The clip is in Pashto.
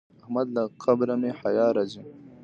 احمد له قبره مې حیا راځي.